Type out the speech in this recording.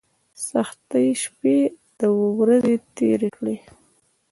سختۍ شپې او ورځې تېرې کړې.